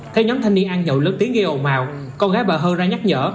theo nhóm thanh niên ăn nhậu lớp tiếng gây ồn màu con gái bà hơn ra nhắc nhở